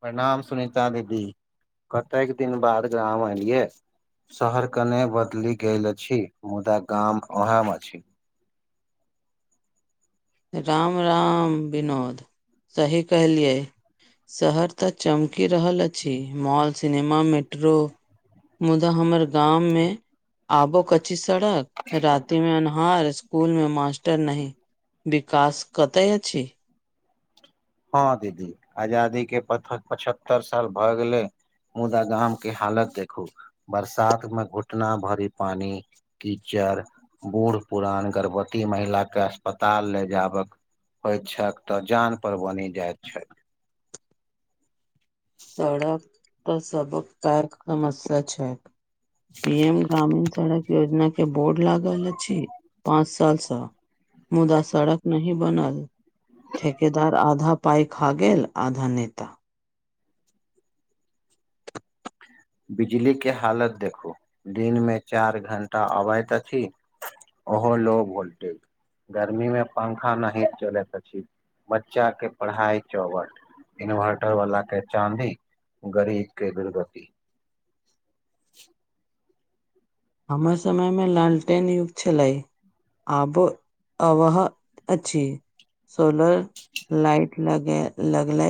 प्रणाम सुनीता दीदी, कतेक दिन बाद गाम एलियै? शहर कने बदलि गेल अछि मुदा गाम ओहे अछि। राम राम विनोद, सही कहलियै। शहर तऽ चमकि रहल अछि मॉल, सिनेमा, मेट्रो मुदा हमर गाम मे आबो क। कच्ची सड़क, राति में अन्हार, स्कूल में मास्टर नहि विकास कतय अछि। हँ दीदी, आजादी के पचहत्तर साल भ गेलै मुदा गामके हालत देखू बरसात मे घुटना भरि पानी कीचड़, बूढ़ पुरान, गर्भवती महिला के अस्पताल ले जाबक होइ छै त जान पर बनि जाइत छै। सड़क सड़क पर सबतरि समस्या‌ छै, पी एम ग्रामीण सड़क योजना के बोर्ड लागल अछि पांच सालसँ मुदा सड़क नही बनल ठेकेदार आधा पाइ खा गेल आधा नेता बिजलीके हालत देखू दिनमे चारि घण्टा अबैत अछि। ओहो लो भोलटेज गर्मी में पंखा नहि चलैत अछि, बच्चा के पढ़ाई चौपट इन्वर्टर वला के चाँदी गरीब के दुर्गति [inaudible] हमर समय मे लालटेन युग छलै आब अवह अछि। सोलर लाइट लगले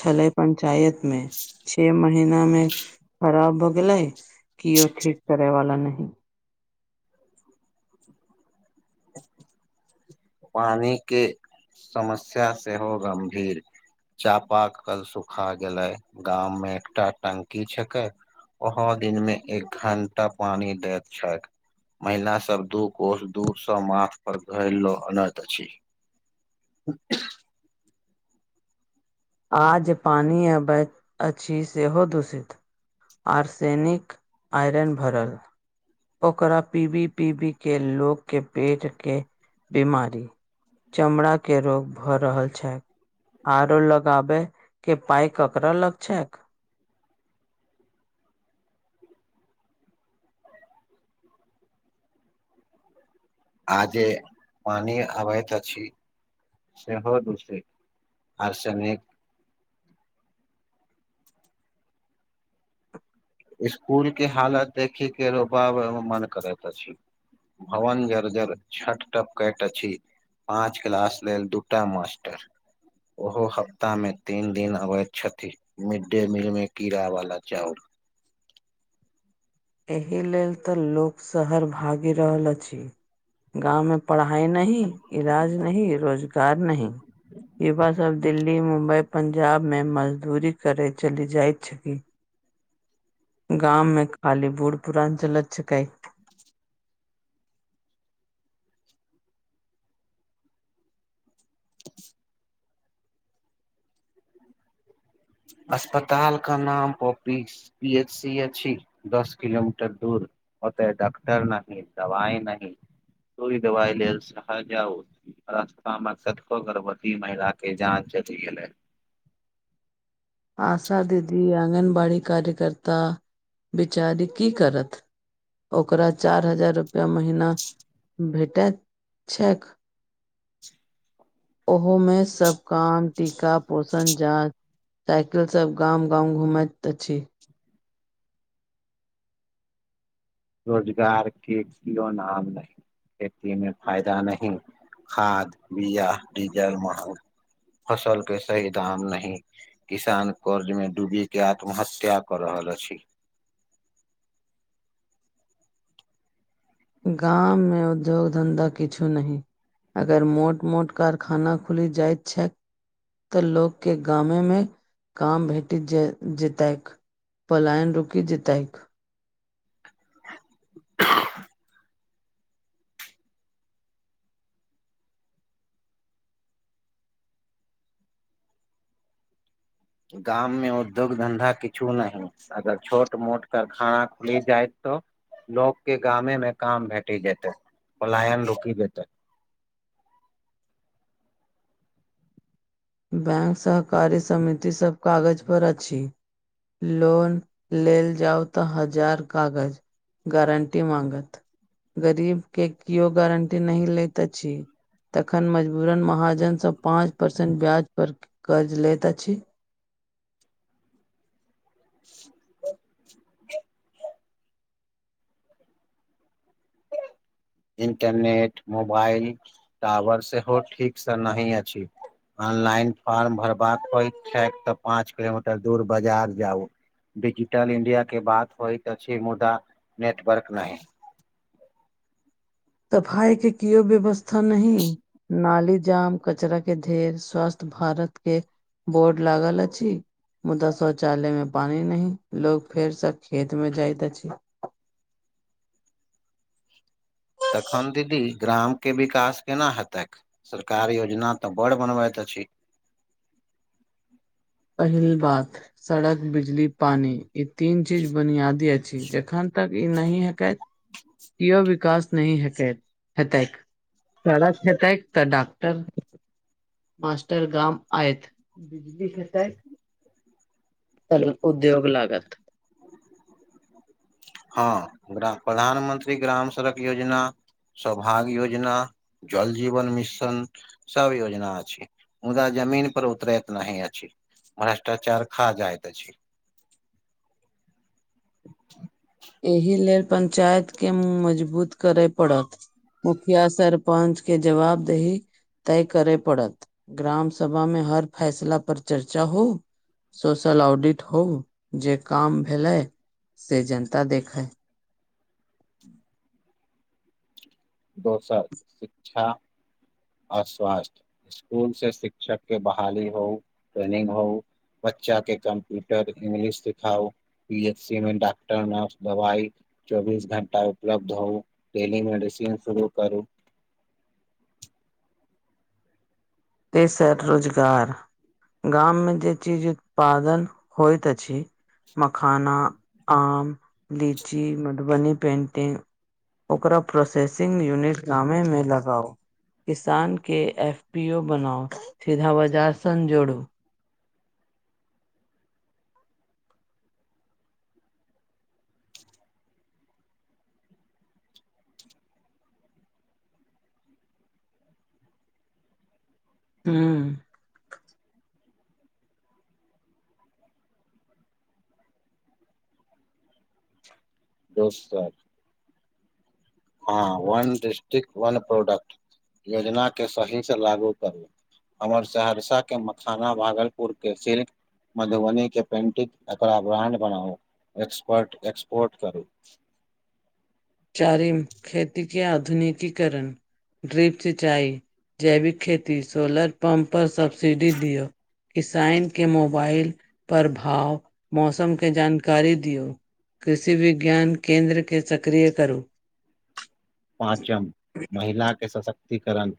छलै पंचायत मे, छ महीना मे खराब भ गेलै किओ ठीक करै वला नहि पानी के समस्या से हो गंभीर चापाक कल सुखा गेलै गाम मे एकटा टंकी छैके ओहो दिन मे एक घं्टा पानी दैत छै। महिला सब दू कोस दूर स माथ पर घरलो हनाथ अ छी। आ ज पानी अबैत अछि सेहो दूषित आर्सेनिक आइरन भरल ओकरा पीबी -पीबी के लो के पेट के बीमारी चमड़ा के रोग भऽ रहल छै आरो लग गाबे के पइ ककरा लग छैक आजे पानि अबैत अछि सेहो दूसित आर सेने स्कुल के हालत देखिक के रो बाब मन करैत अछि। भवन जर्जर छट प कैट छी पाँच क्लास लेल दूटा मास्टर ओहो हफ्तामे तीन दिन अबैत छथि। मिडडे मील में कीड़ा वाला चाउर एहि लेल तऽ लोक शहर भागि रहल अछि। गाँवमे पढ़ाइ नहि इलाज नहि रोजगार नहि य बा सबब दिल्ली मुम्बई पर पंजाबमे मजदूरी करय चलि जाइत छथि। गाम मे खाली बूढ़ पुुरान चलत छिकै। [inaudible] अस्पतालके नाम पॉपीस प एच स छी दस किलोमीटर दूर होते डॉक्टर नहि दवाई नहि तोरी दवाइ लेल सह जाउ रस्ता मे छको गर्भवती महिला के जाँच जल गेले आशा दीदी आङगनबाड़ी कार्यकर्ता बिचारी की करत ओकरा चार हजार रुपआ महीना भेटैत छैक ओहोमे सब काम टीका पोषण जाँच साइकिल सब गाम गाँव घूमैत अछि रोजगारके लोन आाम नहि खेती मे फायदा नही खाद बीया डीजल महल फसल के सही दाम नहि किसान कर्ज में डूबी के आत्महत्या कर रहल अछि। गाममे उद्योग धन्धा किछो नहि। अगर मोट- मोट कारखाना खुलि जाइत छैय। तऽ लोक के गााममे मे काम भेटि जाइत जतैक। पलायन रुकि जेतैक। गाम मे उद्योग धन्धा किछु नहि। अगर छोट मोट कारखाना खुलि जाय तऽ। लोक के गामे मे काम भेटि जेतै पलायन रुकि जेतै। बैंक सहकारी समिति सभ कागज पर अछि। लोन लेल जाउ तऽ हजार कागज। गारंटी माँगत गरीब के केओ गारंटी नहि लैत अछि। तखन मजबूरन महाजन स पाँच परसेंट ब्याज पर कर्ज लैत अछि। [inaudible] इंटरनेट मोबाइल टावर सेहो ठीक से नहि अछि। ऑनलाइन फॉर्म भरबाक होइक छैय तऽ पाँच किलोमीटर दूर बजार जाउ। डिजिटल इंडिया के बात होइत अछि मुदा नेटवर्क नहि। सफाई के कियो व्यवस्था नहि नाली जाम। कचरा के ढ़ेर स्वास्थ्य भारत के बोर्ड लागल अछि। मुदा शौचालय में पानि नहि लोग फेर सब खेत मे जाइत अछि। तखन दीदी ग्राम के विकास केना हेतैक? सरकार योजना तऽ बड़ बनबैत अछि। पहिल बात सड़क, बिजली, पानी। ई तीन चीज बुनियादी अछि। जखन तक ई नहि हेकैत। इहो विकास नहि हेकैत हेतैक। सड़क हेतैक तऽ डॉक्टर। मास्टर गाम आयत। आरो उद्योग लागत। हँ ग्राम प्रधानमंत्री ग्राम सड़क योजना। सौभाग्य योजना, जल जीवन मिशन सब योजना अछि। मुदा जमीन पर उतरैत नहि अछि। भ्रष्टाचार खा जाइत अछि। [inaudible] एहि लेल पंचायतके मुँह मजबूत करय पड़त। मुखिया सरपंचके जवाबदेही तय करय पड़त। ग्रामसभा मे हर फैसला पर चर्चा होउ। सोशल ऑडिट होउ जे काम भेलै से जनता देखै। [inaudible] दोसर शिक्षा आ स्वास्थ्य। स्कूल से शिक्षक के बहाली होउ, ट्रेनिंग होउ। बच्चा के कम्प्यूटर, इंग्लिश सिखाउ। पी एच सी मे डॉक्टर, नर्स, दवाई। चौबीस घंटा उपलब्ध होउ। डेली मेडिसिन शुरू करू। तेसर रोजगार। गाम मे जे चीज उत्पादन होइत अछि। मखाना, आम, लीची, मधुबनी पेंटिंग। ओकरा प्रोसेसिंग यूनिट गामेमे लगाउ। किसान के एफ पी ओ बनाउ। सीधा बजार सन जोड़ू। हूँ दोसर हँ वन डिस्ट्रिक वन प्रोडक्ट योजना के सही से लागू करू। हमर सहरसा के मखाना, भागलपुर के शिल्क। मधुबनी के पेन्टिंग एकरा ब्रांड बनाउ एक्सपर्ट एक्सपोर्ट करू। चारिम खेती के आधुनिकीकरण। ड्रिप सिंचाई जैविक खेती सोलर पम्प पर सबब्सिडी दियौ। किसाइन के मोबाइल पर भाव, मौसमके जानकारी दियौ। कृषि विज्ञान केंन्द्र के सक्रिय करू। पाँचम महिला के सशक्तिकरण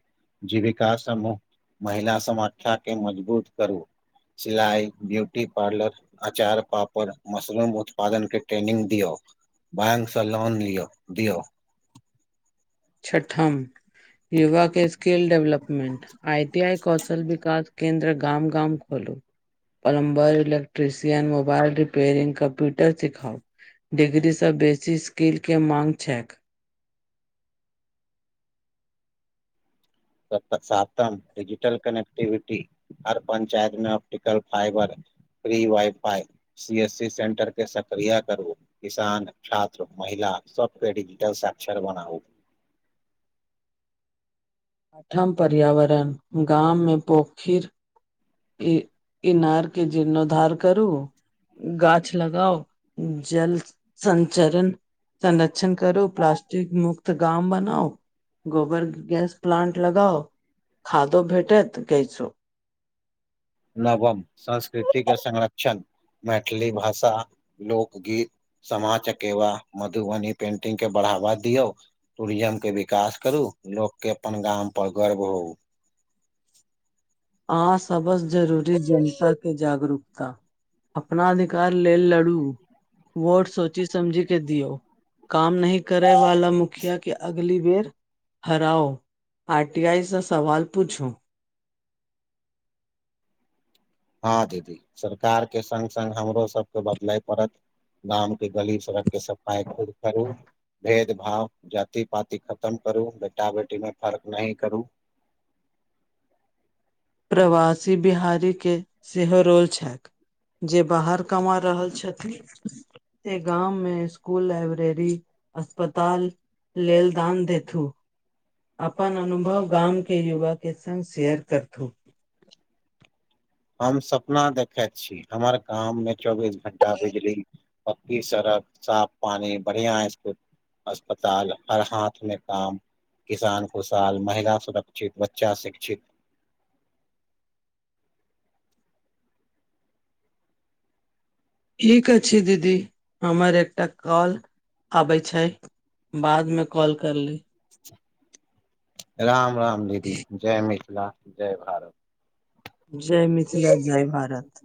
जीविका समूह महिला समाख्या के मजबूत करू। सिलाइ, ब्यूटी पार्लर अचार, पापड़, मशरूम उत्पादन के ट्रेनिंग दियौ बैंक से लोन लियो दियौ छठम युवा के skill development, I T I कौशल विकास केन्द्र गाम गाम खोलू। Plumber, electrician, mobile repairing, computer सिखाऊ। डिग्रीसँ बेसी स्किलके माँग छैक। साातम डिजिटल कनेक्टिविटी हर पञ्चायत मे optical fibre free wifi, C S C centre के सक्रिय करू। किसान, छात्र, महिला सबके डिजिटल साक्षर बनाउ आठम पर्यावरण गाम मे पोखिर ई ईनार के जीर्णोद्धार करू गाछ लगाउ, जल संचरण संरक्षण करू, प्लास्टिक मुक्त गाम बनाउ गोबर गैस प्लांट लगाऊ खादो भेटत, गैसो नवम संस्कृति के संरक्षण मैथिली भाषा, लोकगीत सामा चकेवा, मधुबनी पेंटिंग के बढ़ावा दियौ टूरिज्म के विकास करू लोक के अपन गाम पर गर्व होउ। आ सबस जरूरी जनता के जागरूकता अपना अधिकार लेल लड़ू। वोट सोची समझी के दियौ काम नहि करै वाला मुखिया के अग ली बेर हराउ आर टी आई स सवाल पुछु हँ दीदी सरकारके सङ्ग सङ्ग हमरो सबके बदलय पड़त। गाम के गली, सड़क के सफाई खुद करू भेद भाव, जाति पाति खतम करु बेटा बेटी मे फर्क नहि करु प्रवासी बिहारीके सेहो रोल छैन। जे बाहर कमा रहल छथि जे गाम में स्कूल, लाइब्रेरी, अस्पताल लेल दान देथू। अपन अनुभव गाम के युवा के संग शेयर करथू। हम सपना देखैत छी हमर गाममे चौबीस घंटा बिजली पक्की सड़क, साफ पानी, बढ़िया स्कूल अस्पताल, हर हाथ मे काम किसान खुशहाल, महिला सुरक्षित, बच्चा शिक्षित ठीक अछि दीदी हमर एकटा कॉल आबै छै बाद में कॉल कर लेब। राम राम दीदी जय मिथिला जय भारत। जय मिथिला जय भारत।